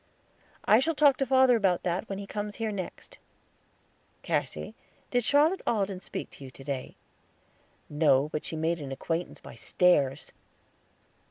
"I shall talk to father about that, when he comes here next." "Cassy, did Charlotte Alden speak to you to day?" "No; but she made an acquaintance by stares."